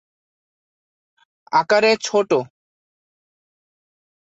আকারে ছোট।